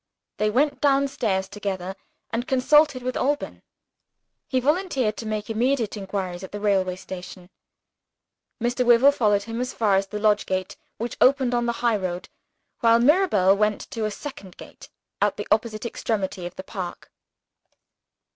They went downstairs together and consulted with Alban. He volunteered to make immediate inquiries at the railway station. Mr. Wyvil followed him, as far as the lodge gate which opened on the highroad while Mirabel went to a second gate, at the opposite extremity of the park.